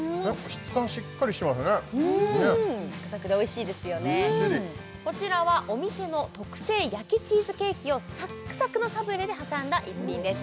質感しっかりしてますねサクサクがおいしいですよねずっしりこちらはお店の特製焼きチーズケーキをサックサクのサブレで挟んだ一品です